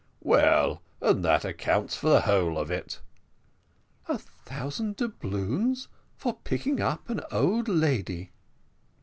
"Well, and that accounts for the whole of it." "A thousand doubloons for picking up an old lady!"